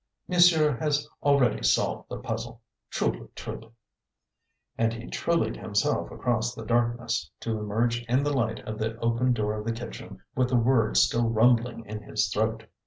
Monsieur has already solved the puzzle. Truly, truly!" And he trulied himself across the darkness, to emerge in the light of the open door of the kitchen with the word still rumbling in his throat.